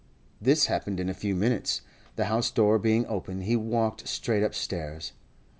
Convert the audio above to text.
This happened in a few minutes. The house door being open, he walked straight upstairs.